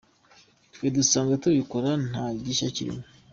Twe dusanzwe tubikora nta gishya kirimo.